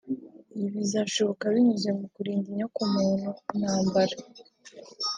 Ibi bizashoboka binyuze mu kurinda inyoko-muntu intambara